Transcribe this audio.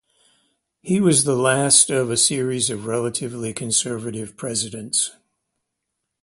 He was the last of a series of relatively conservative Presidents.